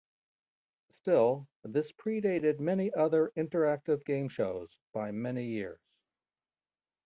Still, this pre-dated many other interactive game shows by many years.